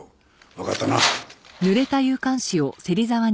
わかったな。